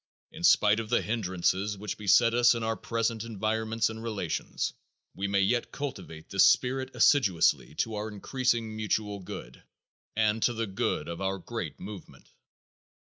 In spite of the hindrances which beset us in our present environments and relations, we may yet cultivate this spirit assiduously to our increasing mutual good and to the good of our great movement.